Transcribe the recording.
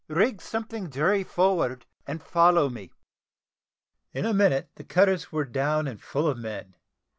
Rig something jury forward, and follow me." In a minute the cutters were down and full of men.